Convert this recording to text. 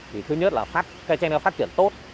thì thứ nhất là cây tranh leo phát triển tốt